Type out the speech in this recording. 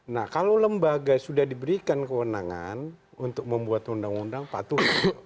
nah kalau lembaga sudah diberikan kewenangan untuk membuat undang undang patuh